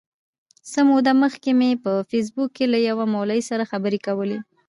څه موده مخکي مي په فېسبوک کي له یوه مولوي سره خبري کولې.